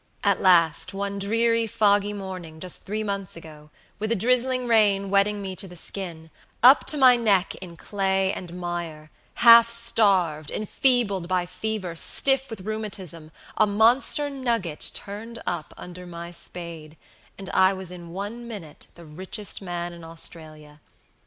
At last, one dreary foggy morning, just three months ago, with a drizzling rain wetting me to the skin, up to my neck in clay and mire, half starved, enfeebled by fever, stiff with rheumatism, a monster nugget turned up under my spade, and I was in one minute the richest man in Australia.